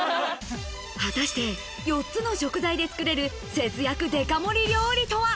果たして４つの食材で作る節約デカ盛り料理とは？